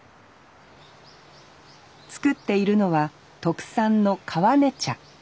作っているのは特産の「川根茶」。